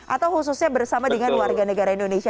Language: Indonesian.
atau khususnya bersama dengan warga negara indonesia